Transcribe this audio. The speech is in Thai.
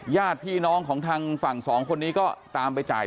ญาติพี่น้องของทางฝั่งสองคนนี้ก็ตามไปจ่าย